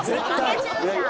負けちゃうじゃん。